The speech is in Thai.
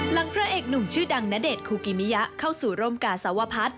พระเอกหนุ่มชื่อดังณเดชนคูกิมิยะเข้าสู่ร่มกาสวพัฒน์